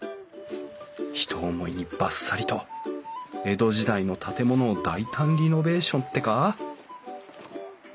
ひと思いにばっさりと江戸時代の建物を大胆リノベーションってか？